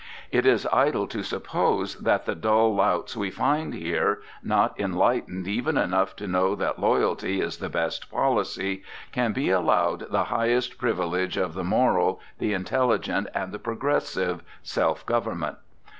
It is idle to suppose that the dull louts we find here, not enlightened even enough to know that loyalty is the best policy, can be allowed the highest privilege of the moral, the intelligent, and the progressive, self government.